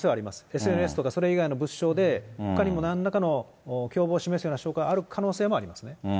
ＳＮＳとかほかの物証でほかにも共謀を示すような証拠がある可能性もありますね。